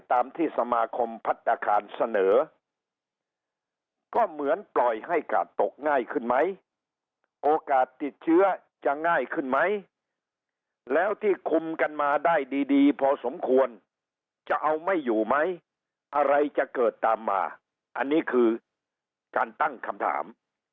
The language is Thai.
ตามที่สมาคมพัฒนาคารเสนอก็เหมือนปล่อยให้กาดตกง่ายขึ้นไหมโอกาสติดเชื้อจะง่ายขึ้นไหมแล้วที่คุมกันมาได้ดีดีพอสมควรจะเอาไม่อยู่ไหมอะไรจะเกิดตามมาอันนี้คือการตั้งคำถาม